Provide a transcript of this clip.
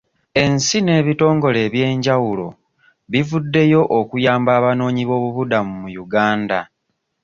Ensi n'ebitongole eby'enjawulo bivuddeyo okuyamba abanoonyi b'obubuddamu mu Uganda.